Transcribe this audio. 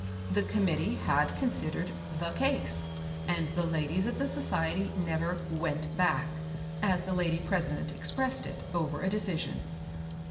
The committee had considered " the case," and the ladies of the society never "went back," as the lady president ex pressed it, over a decision.